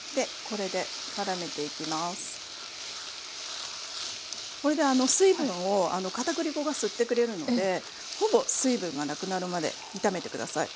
これで水分をかたくり粉が吸ってくれるのでほぼ水分がなくなるまで炒めて下さい。